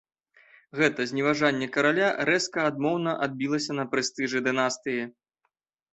Гэта зневажэнне караля рэзка адмоўна адбілася на прэстыжы дынастыі.